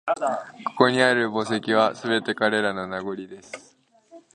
ここにある墓石は、すべて彼らの…名残です